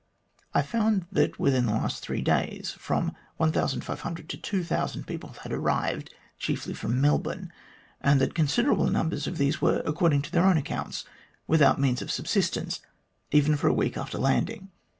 I found that within the last three days from 1500 to 2000 people had arrived, chiefly from Melbourne, and that considerable numbers of these were,, according to their own accounts, without means of subsist ence, even for a week after landing.